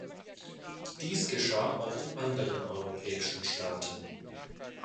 Dies geschah auch in anderen europäischen Staaten.